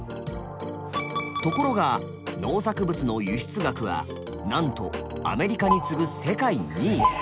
ところが農作物の輸出額はなんとアメリカに次ぐ世界２位。